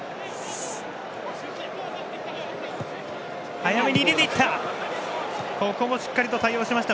早めに入れていった。